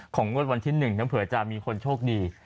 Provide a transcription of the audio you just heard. งวดวันที่๑เผื่อจะมีคนโชคดี